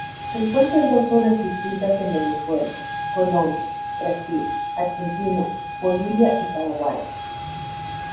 Se encuentra en dos zonas distintas en Venezuela, Colombia, Brasil, Argentina Bolivia y Paraguay.